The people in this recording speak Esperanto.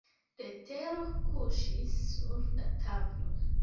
Letero kuŝis sur la tablo.